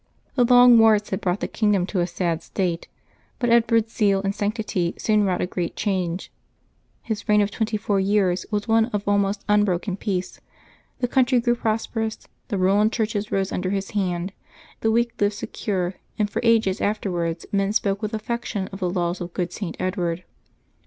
The long wars had brought the kingdom to a sad state, but Edward's zeal and sanctity soon wrought a great change. His reign of twenty four years was one of almost un broken peace, the country grew prosperous, the ruined churches rose under his hand, the weak lived secure, and for ages afterwards men spoke with affection of the " laws of good St. Edward."